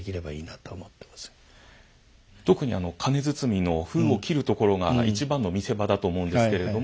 特に金包みの封を切るところが一番の見せ場だと思うんですけれども。